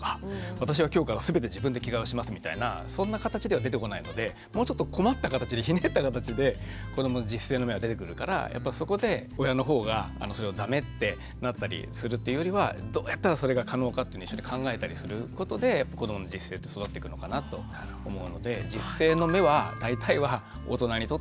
「私は今日から全て自分で着替えをします」みたいなそんな形では出てこないのでもうちょっと困った形でひねった形で子どもの自主性の芽は出てくるからそこで親のほうがそれをダメってなったりするっていうよりはどうやったらそれが可能かっていうのを一緒に考えたりすることで子どもの自主性って育ってくのかなと思うのでえ！